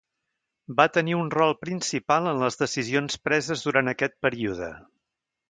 Va tenir un rol principal en les decisions preses durant aquest període.